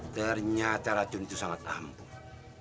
ternyata racun itu sangat ampuh